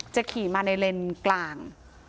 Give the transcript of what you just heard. จะขี่มาในเลนส์กลาง